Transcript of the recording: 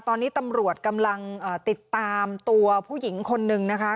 ตอนนี้ตำรวจกำลังติดตามตัวผู้หญิงคนนึงนะคะ